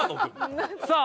さあ